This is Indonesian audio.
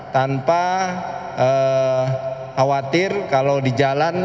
tanpa khawatir kalau di jalan